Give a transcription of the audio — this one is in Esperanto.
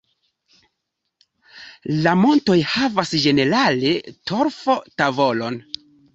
La montoj havas ĝenerale torfo-tavolon.